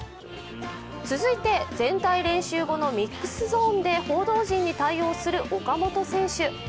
続いて全体練習後のミックスゾーンで、報道陣に対応する岡本選手。